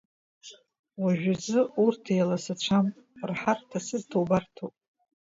Уажәазы урҭ еиласацәам, рҳарҭа-сырҭа убарҭоуп.